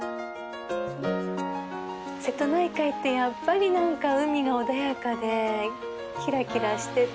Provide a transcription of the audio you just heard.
瀬戸内海ってやっぱり海が穏やかでキラキラしてて。